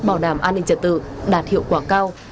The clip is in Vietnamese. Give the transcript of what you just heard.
bảo đảm an ninh trật tự đạt hiệu quả cao